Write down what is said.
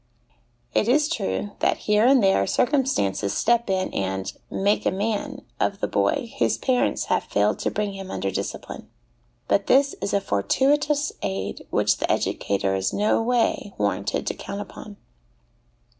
It is true that here and there circum stances step in and ' make a man ' of the boy whose parents have failed to bring him under discipline ; but this is a fortuitous aid which the educator is no way warranted to count upon.